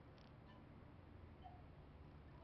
mmoja wa wafanyikazi wake alikimbilia amerika